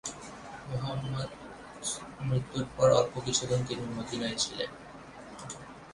মুহাম্মদ মৃত্যুর পর অল্প কিছুদিন তিনি মদীনায় ছিলেন।